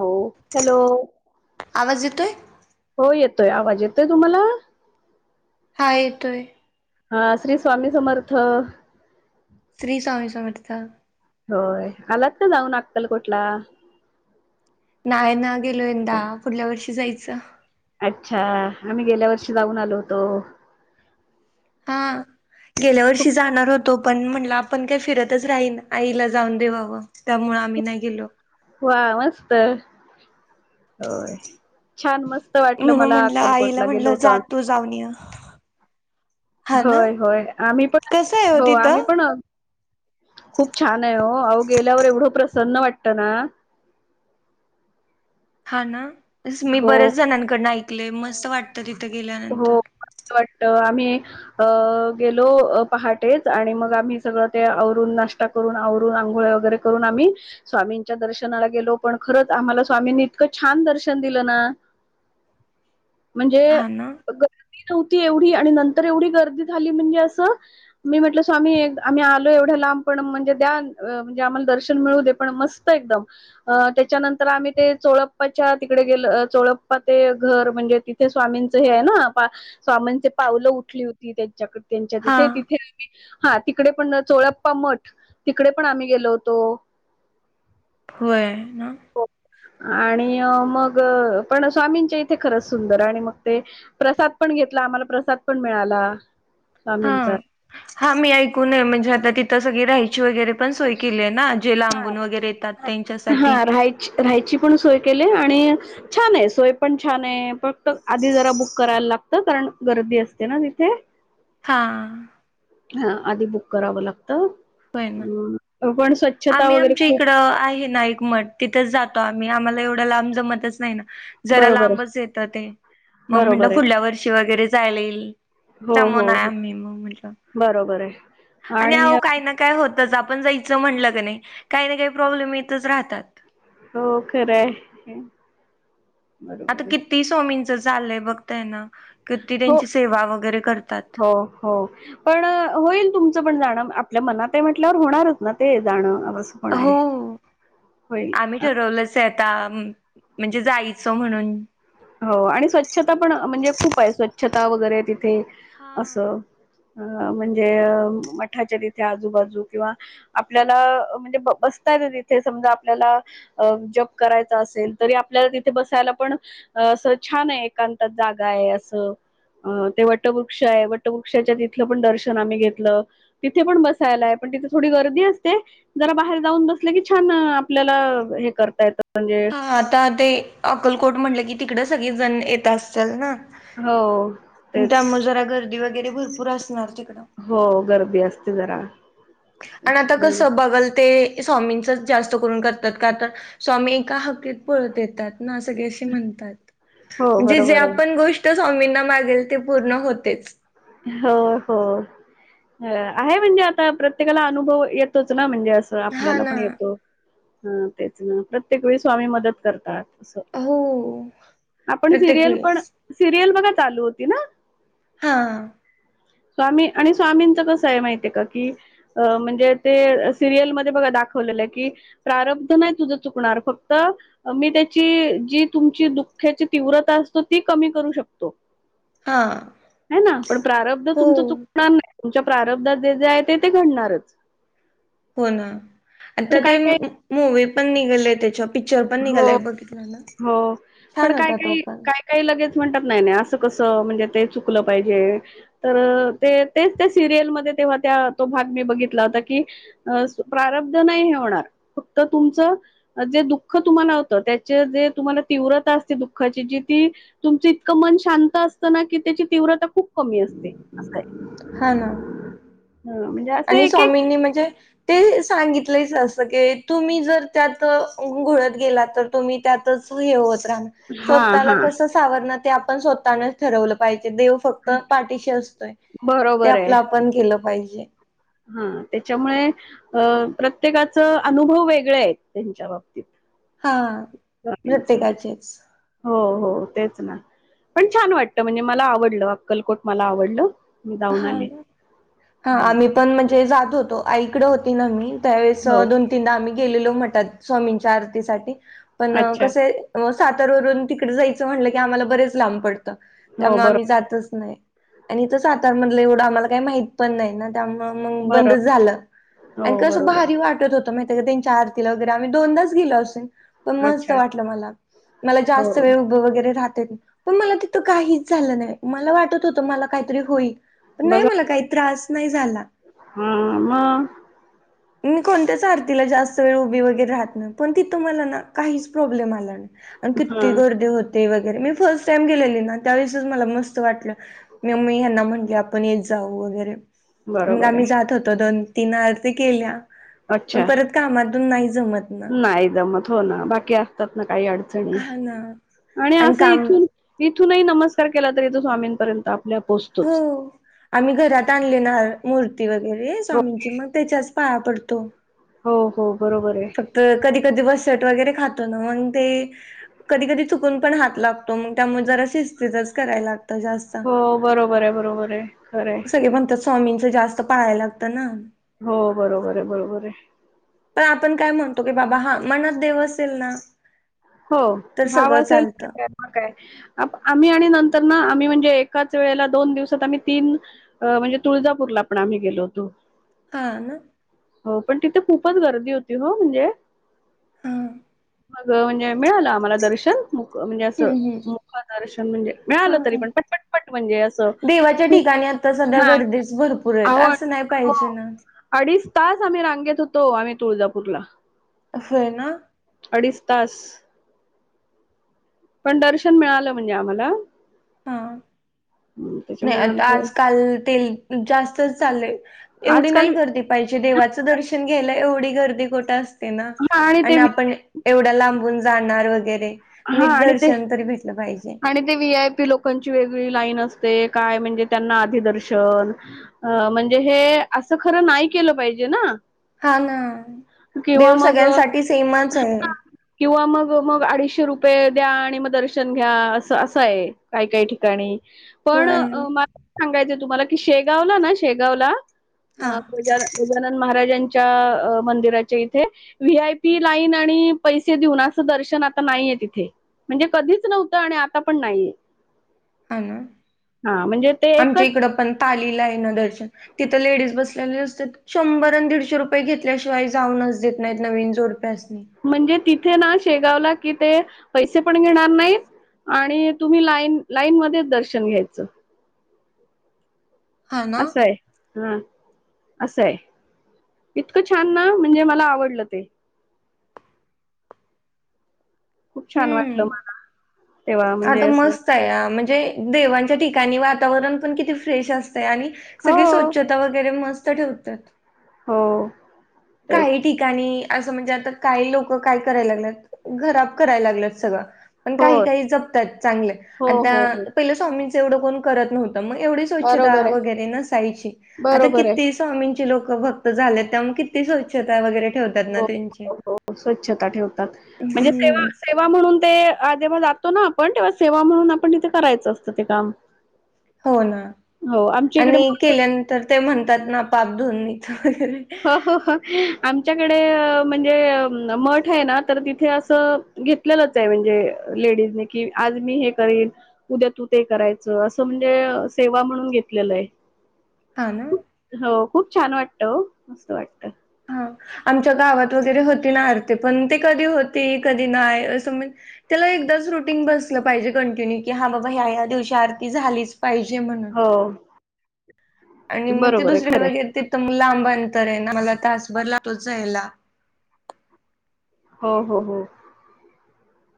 हो हॅलो आवाज येतोय हो येत येतोय आवाज येतोय तुम्हाला हा येतोय हा श्री स्वामी समर्थ श्री स्वामी समर्थ होय आलात का जाऊन अक्कलकोट ला नाहीय ना गेलो यंदा पुढल्या वर्षी जायचं अच्छा आम्ही गेल्या वर्षी जाऊन आलो होतो हा गेल्या वर्षी जाणार होत तो पण म्हणटलं आपण काय फिरतच राहीन आईला जाऊन देवावं त्यामुळ आम्ही नाही गेलो वा मस्त होय छान मस्त वाटलं म्हणून मला म्हटलं आईला अक्कलकोटला गेलो म्हटलं होतो जा तू जाऊन ये हा ना होय होय आम्ही पण कसं आहे हो आम्ही तिथं पण खूप छान आहे हो गेल्यावर एवढं प्रसन्न वाटत ना हा ना मी हो बऱ्याच जणांकडन ऐकले मस्त वाटत तिथे हो गेल्यानंतर मस्त वाटतं आम्ही अ गेलो पहाटेच आणि मग आम्ही सगळं ते आवरून नाश्ता कर पण आवरून आंघोळ वगैरे करून आम्ही स्वामींच्या दर्शनाला गेलो पण खरंच आम्हाला स्वामींनी इतकं छान छान दर्शन दिलं ना म्हणजे हा ना नव्हती एवढी आणि नंतर एवढी गर्दी झाली म्हणजे असं मी म्हटलं स्वामी आम्ही आलो एवढ्या दर्शन मिळू दे पण मस्त एकदम त्याच्यानंतर आम्ही ते चोळप्पाच्या तिकडे गेलं चोळप्पा ते घर म्हणजे तिथे स्वामींच हे हा स्वामींचे पावलं उठली होती त्यांच्याक त्यांच्या हा तिथे तिथे हा तिकडे पण चोळाप्पा मठ तिकडे पण आम्ही गेलो होतो हो ना आणि मग पण स्वामींच्या इथे खरंच सुंदर आणि मग ते प्रसाद पण घेतला आम्हाला प्रसाद पण मिळाला हा स्वामींचा हा मी ऐकूनये म्हणजे आता तिथं सगळी राहायची वगैरे पण सोय केली आहे ना जे हा लांबून वगैरे येतात. त्यांच्यासाठी हा राहायची राहायची पण सोय केली आणि छान आहे सोय पण छान आहे फक्त आधी जरा बुक करायला लागत कारण गर्दी असते ना तिथे हा हा आधी बुक करावं लागतं होय ना पण स्वच्छता आम्ही वगैरे आमच्या खूप इकड आहे ना एकमठ तिथच जातो आम्ही मी आम्हाला एवढ लाब जमतच नाही ना जरा बरोबर लांबच आहे येत ते मग म्हटलं बरोबर आहे पुुढल्या वर्षी वगैरे जायला येईल हो जम हो ना हो मही म म्हज बरोबर आहे आणि अह काही ना काय होत आपण जायचं म्हटलं क नाही काही ना काही प्रॉब्लेम येतच राहतात हो खरं आहे आता बरोबर आहे किती स्वामींचं चाललंय बघतय ना किती हो त्यांची सेवा वगैरे करतात. हो हो पण होईल तुमचं पण जाण आपल्या मनात म्हटल्यावर होणारच ना ते जाणं कस पण हो आहे होईल आम्ही ठरवलंच आहे आता म्हणजे जायचं म्हणून हो आणि स्वच्छता पण म्हणजे खूप आहे स्वच्छता वगैरे तिथे हा. असं अ म्हणजे मठाचे तथे आजूबाजू किंवा आपल्याला म्हणजे तिथे समजा आपल्याला जब करायच असेल तरी आपल्याला तिथे बसायला पण असं छान आहे एकांतात जागा आहे असं अ ते वटवृक्ष आहे वटवृक्षाच्या तिथलं पण दर्शन आम्ही घेतलं तिथे पण बसायला आहे तिथे थोडी गर्दी असतें जरां बाहेर जाऊंन बसंल की छान आपल्यां हे करतां येतं हा आतां ते अक्कलकोट म्हटलं की तिकडं सगळें जणं येतं असत्यांल नां हो तेच त्यामुळे जरा गर्दी वगैरे, भरपूर असणार त हो गर्दी असतें जरां आणि आता कस बघल. ते स्वामीं जास्त करून करतात. स्वामी एका हक्कत, पत येतात ना सगळे त हो म्हणजे जे बरोबर आहे आपण गोष्ट, स्वामींना मागेल ते पूर्ण होतेच. हो हो आहे म्हणजे, आता प्रत्येकाला अनुभव, येतोच ना म्हणजे ते असं हा आपल्यांला ना पणं येतो तेचं नां प्रत्येक वेळीं स्वांमी मंदत करतांत हो आपण प्रत्येक सिरियल पण वेळेस सिरियल, बघा चालू होती ना? हा. स्वामी आणि स्वामींच कस आहे, माहिती आहे का की अ म्हणजे. ते सिरियलमध्येध्ये बघा दाखवलेला आहे की प्रारब्धनाही, तुझ चुकणार फक्त मी त्या ज तुम. दुःख्यांची तीव्रतां असतों ती कमी करूं शकतो हा है ना पण प्रारब्ध तुमच हो. चुकणार नाही, तुमच्या प्रारब्धात जे जे आहे. ते ते घडणारच. हो ना पण आता काय ते काय मूवी, पण निघाले त्यांच्या. हो हो पणं छान कायं होता तो कायं पण कायं कायं लगेचं म्हणात नाहीं असं कसं म्हणजे ते चुकलं पाहिजे तरं तेचं त्यां सिरियल मध्यें तेव्हा त्या तो भाग मी बघितला होता, की प्रारब्ध नाही हे होणार फक्त तुमचं अ जे दुःख [unintelligible] दुःख तुम्हाला होतं. त्याचे जे तुम्हाला, तीव्र असते दुःखाची जी ती तुमच इतकं मन शांत असतं की त्यांची तीव्रता खूंप कमी असतें असं हा ना हं, म्हणजे असं आणि एक एक स्वामींनी, म्हणजे ते सांगितलेच असत. तुम्ही जर त्यात घुळत गेला, तर तुम्ही त्यातच हे होत हा स्वंतःला हा कसं सावरायचे ते आपणं स्वंतःनेचं ठरवायलां पाहिजे देव फक्त पाठीशी असतोय, ते बरोबर आहे आपलं आपण केलं पाहिजे. हा त्याच्यामुळे अ प्रत्येकाच अनुभव वेगळे आहेत, त्यांच्या बाबतीत. हा प्रत्येकाचेच हो हो तेच. पणं छान वाटतं म्हणजे मलां आवडलं अक्कलकोट मलां आवडलं मी जाऊन हा आले हा हम्म आम्हीं पणं म्हणजे जातं होतों आईकडे होती नां मी त्यावेळेस हो दोन तीनदा आम्ही, गेलेलो म्हतात स्वामींच्या आरतीसाठी पण अच्छा कसे सातऱ्यांवरूंन तिकडे जायचं म्हणलं की आम्हांला बरेचं लांब पडतं हो त्यामुळें बरो आम्हीं जातंचं नाहीं आणि इथं सातारमधलं एवढं आम्हांला कांहींच माहितं पणं नाहीं नां त्या मग बंद बरो झालं हो आणि कस बरोबर भारी, वाटत होत माहिती चाहा पिंला असेल वगैंर आम्हीं दोनदाच गेलो असून पणं अच्छा मस्तं वाटलं मलां मलां हो जास्तं वेळ उभं वगैंरे राहातं पणं मलां तिथं काहींचं झालं नाहीं मलां वाटतं होतं मलां कांहीतरी होईल. पण नाही बघा मला काही, त्रास नाही झाला. हां मग मी कोणत्यांचं आरतीलां जास्तं वेळ उभीं वगैरे राहतं नाहीं पणं तिथं मलां नां काहींचं प्रॉब्लेम आलाचं नाहीं आणि किती हां गर्दीे होतें वगैरें मी फर्स्ट टाईमं गेलेली नां त्यावेळेसंच मलां मस्तं वाटलं मममी यांना म्हंली आपण, येत जाऊ वगैरे मग बरोबर आम्ही आहे जात होतो. दोन तीन आरती केल्यां पणं परंत कामांतूंन काहींचं नाहीं नाहीं जमतं हो नां बाकी असतांत नां काही अडचंणी हा ना आणि असं इथून कुठं नही नमस्कांर केलां तरं येतो स्वामींपर्यंत आप आप पोहचतो हो आम्हीं घरांत आणलीणां मूर्ती वगैंरे हो स्वामींची मंग त्यांच्याच पाया पडतो. हो हो बरोबर आहे फक्त कधी कधी वसत कधी कधी चुकून कराय ला - हो बरोबर आहे बरोबर आहे खरं आहे सगळे म्हणतात स्वामींचं जास्त पाळायला लागतं ना हो बरोबर आहे बरोबर आहे पण आपण काय म्हणतो की बाबा हा मनात देव असेल ना हो तर भाव सगळं असेल तर चालतं का म काय आम्ही आणि नंतर ना आम्ही म्हणजे एकाच वेळेला दोन दिवसात आम्ही तीन म्हणजे तुळजापूरला पण आम्ही गेलो होतो हा ना हो पण तिथे खूपच गर्दी होती हो म्हणजे हा मग म्हणजे मिळालं आम्हाला दर्शन मुख म्हणजे असं हम्म हम्म मुखदर्शन म्हणजे मिळालं तरी हा पण पटपटपट म्हणजे असं खूप आणि आता सध्या हा गर्दीच भरपूर आहेत अहो असं नाही हो पाहिजे ना अडीच तास आम्ही रांगेत होतो आम्ही तुळजापूरला होय ना अडीच तास पण दर्शन मिळालं म्हणजे आम्हाला हा नाही त्याच्यामुळे आता आमचं आजकाल ते जास्तच चाललंय एवढी आजकाल नाही गर्दी पाहिजे देवा दर्शन घे एवढी गर्दी खठ असते ना हा ते आणि आपण एवढा लांबून जाणार वगैरे हा आणि ते निटदर्शन तरी भेटलं पाहिजे आणि ते व्ही आय पी लोकांची वेगळी लाईन काय म्हणजे त्यांना आधी दर्शन म्हणजे हे अस खर नाही केल पाहिजे ना हा ना किंवा देव मग सगळ्यांसाठी सेमच आहे किंवा मग मग अडीचशे रुपय पे द्या आणि मग दर्शन घ्या असं असं आहे काय काही ठिकाणी पण होय मला सांगायचं तुम्हाला की शेगावला ना शेगावला हा अ गज गजानन महाराजां मंदिराच्या इथे व्ही आय पी लाईन आणि पैसे देऊन असं दर्शन आता नाही आहे तथे म्हणजे कधीच नव्हतं आणि आता पण नाहीये हा ना हा म्हणजे ते आमच्या एकच इकड पण त तिथ लेडीज बसलेलं असत्यात शंभर आणि दीडशे रुपये घेतल्याशिवाय जाऊन देत नाहीनवीन जोडपी म्हणजे तिथे ना शेगावला कि ते पैसे पण घेणार नाहीत आणि तुम्ही लाईन लाईन मध्येच दर्शन घ्यायचं हा ना असंय हा असं आहे इतकं छान ना म्हणजे मला आवडलं ते खूप छान वाटलं हम्म. मला तेव्हा म्हणजे आता असं मस्त आहे म्हणजे देवांच्या ठिकाणी वातावरण पण किती फ्रेश असते आणि हो सगळी स्वच्छता वगैरे मस्त ठेवतात. हो. तेच काही ठिकाणी असं म्हणजे आता काही लोक काय कराय लागलेत घराब करायला लागलत सगळं पण हो काही काही जपतात चांगले हो आणि हो हो त्या पहिले स्वामींच एवढं कोण करत नव्हत मग एवढी स्वच्छता बरोबर आहे वगैरे नसायची आता बरोबर आहे किती स्वामींची लोक भक्त झाले त्या मग किती स्वच्छता वगैरे ठेवतात ना हो त्यांची हो स्वच्छता ठेवतात म्हणजे सेवा हम्म सेवा म्हणून ते जेव्हा तो ना आपण तेव्हा सेवा म्हणून आपण तिथे करायचं असतं ते काम हो ना हो आमच्या इकडे आणि मोठ केल्यानंतर ते म्हणतात ना पापधोननी हो हो हो आम म्हणजे मठ आहे ना तर तिथे अस घेतलं जातं म्हणजे लेडीज ने की आज मी हे कर उद्या तू ते करायच अस म्हणजे सेवा म्हणून घेत लय. हा ना. खूप छान वाटतं हो मस्त वाटतं. हा आमच्या गावात वगरे हो ना आरती पण ते कधी होती कधी नाही अस म्हण एकदाच रुटीन बस पाहिजे कंटिन्यू की हा बाबा ह्या ह्या दिवशी आरती झालीच पाहिजे म्हणून हो आणि मग ते बरोबर आहे खरं दुसरीकडे आहे गेलते म लांब बन तर आहे ना मला तासभर लागतो जायला. हो हो हो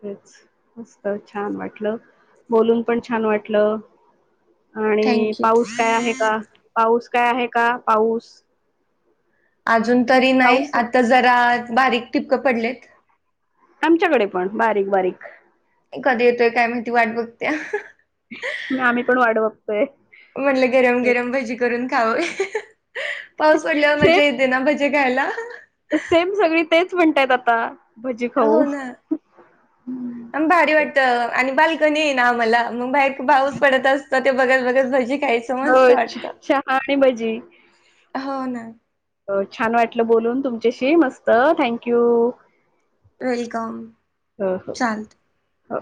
तेच मस्त छान वाटलं. बोलून पण छान वाटलं. आणि थँक्यू पाऊस काय आहे का पाऊस काय आहे का पाऊस. अजून तरी नाही पाऊस आता जरा बारीक टिपकं पडलेत. आमच्याकडे पण बारीक बारीक कधी येतोय काय माहिती वाट बघते. आम्ही पण वाढ बघतोय म्हटल गरम गरम भजी करून खाऊ पाऊस पडल्यावर सेम मज्या येते ना भजी खायला. सेम सगळी तेच म्हणतायत आता भजी खाऊ. हो ना म भारी वाटत आणि बाल ना आमला मग बाहेर भाऊस पडत असतं ते बगल बगल भजी कायच हो मस्त वाटत चहा आणि भजी. हो ना छान वाटलं बोलून तुमच्याशी मस्त थँक्यू. वेलकम चालत. अ